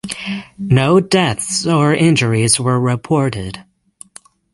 No deaths or injuries were reported.